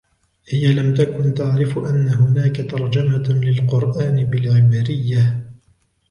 هىَ لم تكن تعرف أن هناك ترجمة للقرآن بالعبرية.